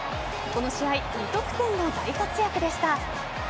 この試合２得点の大活躍でした。